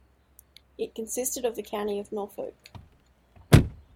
It consisted of the county of Norfolk.